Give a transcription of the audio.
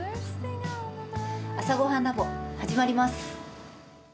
「朝ごはんＬａｂ．」始まります。